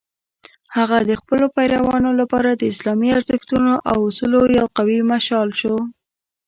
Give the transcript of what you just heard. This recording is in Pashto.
هغه د خپلو پیروانو لپاره د اسلامي ارزښتونو او اصولو یو قوي مشال شو.